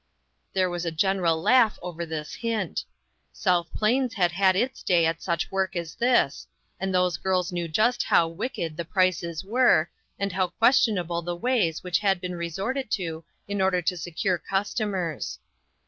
There was a general laugh over this hint. South Plains had had its day at such work as this, and those girls knew just how " wicked " the prices were, and how ques tionable the ways which had been resorted to in order to secure customers.